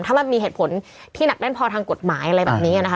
ถ้ามันมีเหตุผลที่หนักแน่นพอทางกฎหมายอะไรแบบนี้นะคะ